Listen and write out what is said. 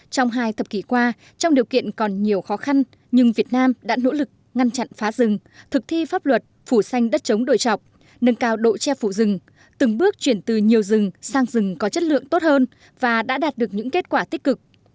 trong hai thập kỷ qua trong điều kiện còn nhiều khó khăn nhưng việt nam đã nỗ lực ngăn chặn phá rừng thực thi pháp luật phủ xanh đất chống đổi chọc nâng cao độ che phủ rừng từng bước chuyển từ nhiều rừng sang rừng có chất lượng tốt hơn và đã đạt được những kết quả tích cực